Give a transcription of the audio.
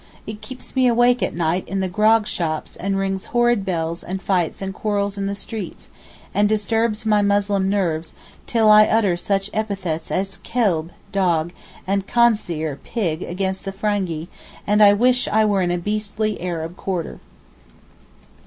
It keeps me awake at night in the grog shops and rings horrid bells and fights and quarrels in the street, and disturbs my Muslim nerves till I utter such epithets as kelb (dog) and khanseer (pig) against the Frangi, and wish I were in a 'beastly Arab' quarter.